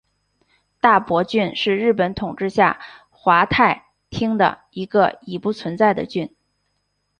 大泊郡是日本统治下的桦太厅的一个已不存在的郡。